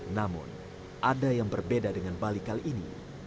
namun ada yang berbeda dengan bali kali ini